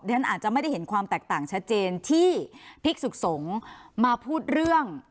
เดี๋ยวนั้นอาจจะไม่ได้เห็นความแตกต่างชัดเจนที่พิกษุกศงมาพูดเรื่อง